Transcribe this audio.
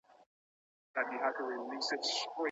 ژورنالیزم پوهنځۍ پرته له پلانه نه پراخیږي.